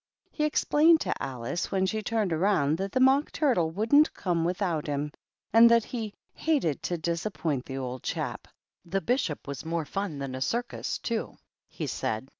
He explained to Alice, when she turned round, that the Mock Turtle wouldn't come without him, and that he " hated to disappoint the old chap. The Bishop was more fiin than a circus, too," he said.